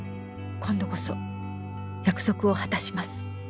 「今度こそ約束を果たします」